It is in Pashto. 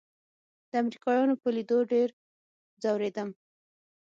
د امريکايانو په ليدو ډېر ځورېدم.